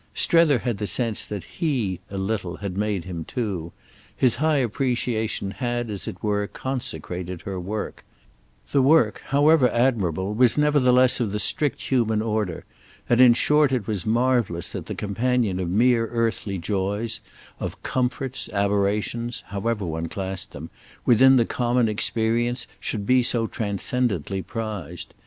Strether had the sense that he, a little, had made him too; his high appreciation had as it were, consecrated her work The work, however admirable, was nevertheless of the strict human order, and in short it was marvellous that the companion of mere earthly joys, of comforts, aberrations (however one classed them) within the common experience should be so transcendently prized.